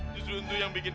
itu suntuk yang bikin